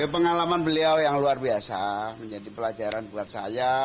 pengalaman beliau yang luar biasa menjadi pelajaran buat saya